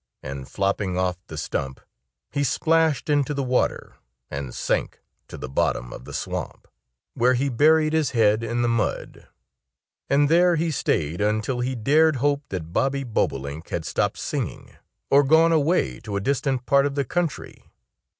And flopping off the stump, he splashed into the water and sank to the bottom of the swamp, where he buried his head in the mud. And there he stayed until he dared hope that Bobby Bobolink had stopped singing, or gone away to a distant part of the country.